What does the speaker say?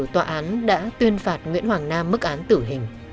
tòa án đã tuyên phạt nguyễn hoàng nam mức án tử hình